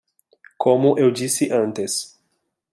Como eu disse antes